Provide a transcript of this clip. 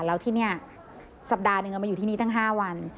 แล้วที่นี่สัปดาห์หนึ่งเอามาอยู่ที่นี่ตั้ง๕วัน